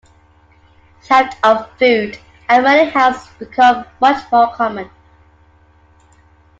Theft of food and money has become much more common.